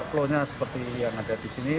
flow nya seperti yang ada di sini